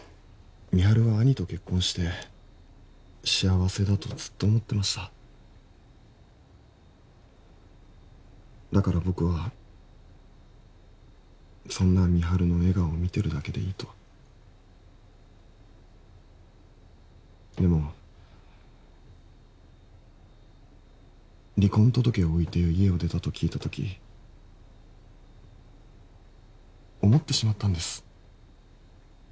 美晴は兄と結婚して幸せだとずっと思ってましただから僕はそんな美晴の笑顔を見てるだけでいいとでも離婚届を置いて家を出たと聞いたとき思ってしまったんです